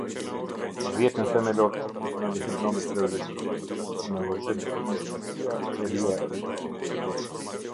Rrjetin themelor të stacioneve hidrometeorologjike e përcakton me Udhëzim Administrativ Qeveria e Kosovës.